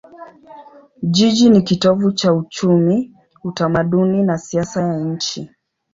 Jiji ni kitovu cha uchumi, utamaduni na siasa ya nchi.